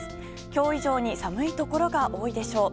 今日以上に寒いところが多いでしょう。